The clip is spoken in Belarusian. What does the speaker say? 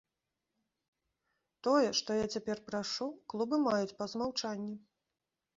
Тое, што я цяпер прашу, клубы маюць па змаўчанні.